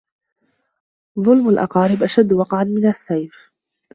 ظلم الأقارب أشد وقعا من السيف